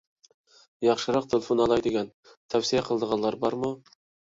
ياخشىراق تېلېفون ئالاي دېگەن. تەۋسىيە قىلىدىغانلار بارمۇ؟